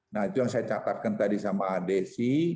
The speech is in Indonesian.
nah itu yang saya catatkan tadi sama adesi